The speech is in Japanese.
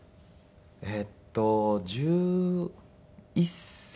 えっと１１歳。